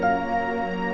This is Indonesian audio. masa itu udah berakhir